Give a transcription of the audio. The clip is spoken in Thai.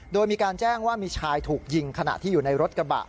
โดยมีการแจ้งว่ามีชายถูกยิงขณะที่อยู่ในรถกระบะ